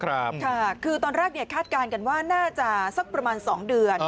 ค่ะคือตอนแรกเนี่ยคาดการณ์กันว่าน่าจะสักประมาณ๒เดือน